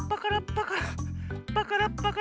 パカラパカラ。